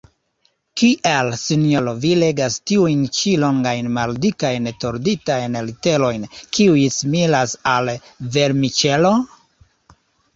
Kiel, sinjoro, vi legas tiujn ĉi longajn, maldikajn torditajn literojn kiuj similas al vermiĉelo?